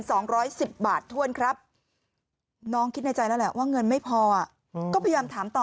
สองร้อยสิบบาทถ้วนครับน้องคิดในใจแล้วแหละว่าเงินไม่พออ่ะก็พยายามถามต่อ